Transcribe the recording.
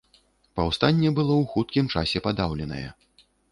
Паўстанне было ў хуткім часе падаўленае.